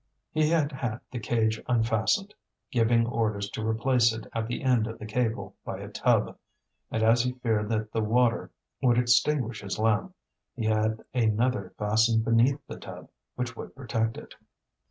He had had the cage unfastened, giving orders to replace it at the end of the cable by a tub; and as he feared that the water would extinguish his lamp, he had another fastened beneath the tub, which would protect it.